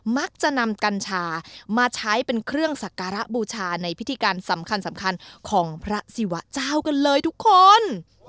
มักจะนำกัญชามาใช้เป็นเครื่องสักการะบูชาในพิธีการสำคัญของพระศิวะเจ้ากันเลยทุกคน